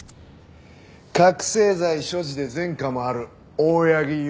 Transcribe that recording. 覚醒剤所持で前科もある大八木勇